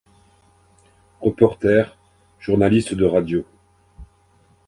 Reporter-Journaliste de radio.